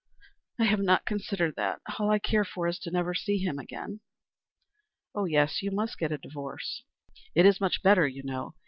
"I have not considered that. All I care for is never to see him again." "Oh yes, you must get a divorce. It is much better, you know.